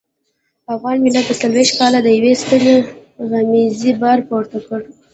افغان ملت څلويښت کاله د يوې سترې غمیزې بار پورته کړ.